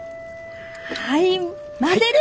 はい混ぜる！